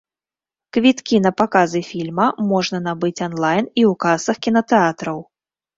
Квіткі на паказы фільма можна набыць анлайн і ў касах кінатэатраў.